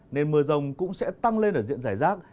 nên mưa rông cũng sẽ tăng lên ở diện giải rác